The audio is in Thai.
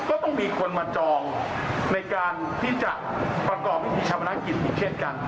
ก็ต้องมีคนมาจองในการที่จะประกอบพิธีชาปนักกิจอีกเช่นกัน